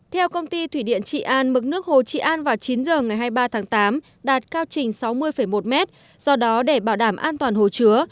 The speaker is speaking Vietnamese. theo công ty thủy điện trị an mực nước hồ trị an vào chín h ngày hai mươi ba tháng tám đạt cao trình sáu mươi một m do đó để bảo đảm an toàn hồ chứa